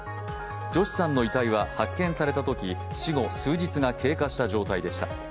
ジョシさんの遺体は発見されたとき死後数日が経過した状態でした。